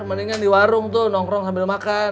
mendingan di warung tuh nongkrong sambil makan